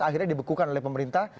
akhirnya dibekukan oleh pemerintah